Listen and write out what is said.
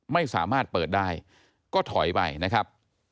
ไม่สามารถเปิดได้ก็ถอยไปนะครับ